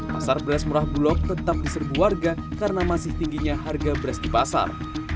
pasar beras murah bulog tetap diserbu warga karena masih tingginya harga beras di pasar